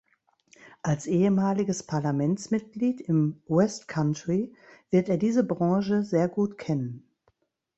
Als ehemaliges Parlamentsmitglied im West Country wird er diese Branche sehr gut kennen.